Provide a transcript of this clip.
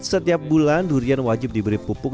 setiap bulan durian wajib diberi pupuk